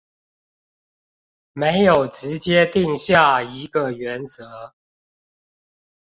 沒有直接定下一個原則